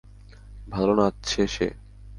ভালো নাচছে সে।